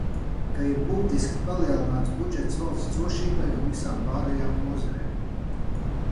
Ka ir būtiski palielināts budžets valsts drošībai un visām pārējām nozarēm.